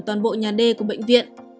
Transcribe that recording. toàn bộ nhà đê của bệnh viện